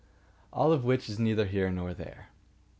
All of which is neither here nor there.